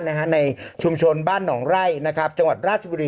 โอเคโอเคโอเคโอเคโอเคโอเค